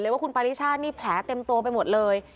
ว่าคุณปาริชาตินี่แผลเต็มตัวไปหมดเลย